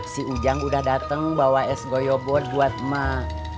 si ujang udah dateng bawa es goyobot buat mak